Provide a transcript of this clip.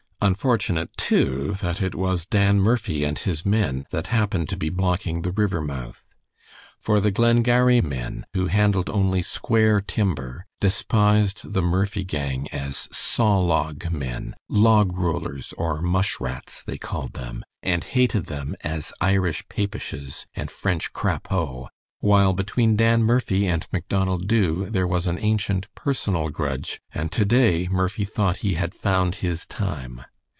Unfortunate, too, that it was Dan Murphy and his men that happened to be blocking the river mouth. For the Glengarry men, who handled only square timber, despised the Murphy gang as sawlog men; "log rollers" or "mushrats" they called them, and hated them as Irish "Papishes" and French "Crapeaux," while between Dan Murphy and Macdonald Dubh there was an ancient personal grudge, and to day Murphy thought he had found his time.